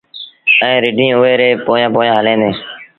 ائيٚݩٚ رڍينٚ اُئي ري پويآنٚ پويآنٚ هلينٚ دينٚ